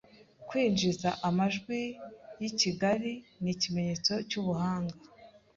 'Kwinjiza amajwi yikigali nikimenyetso cyubuhanga